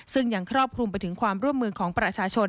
ซึ่งยังครอบคลุมไปถึงความร่วมมือของประชาชน